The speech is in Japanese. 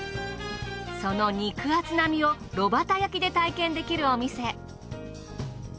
その肉厚な身を炉端焼きで体験できるお店。